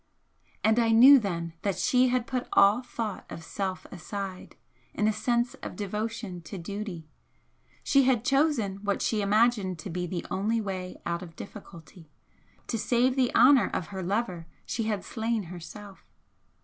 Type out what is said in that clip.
And I knew then that she had put all thought of self aside in a sense of devotion to duty, she had chosen what she imagined to be the only way out of difficulty, to save the honour of her lover she had slain herself.